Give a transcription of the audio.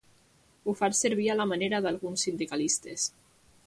Ho faig servir a la manera d'alguns sindicalistes.